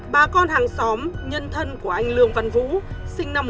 ba con hàng xóm nhân thân của anh lương văn vũ sinh năm một nghìn chín trăm một mươi sáu